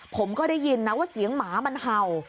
ผมก็ได้ยินนะว่าเสียงหมามันเห่า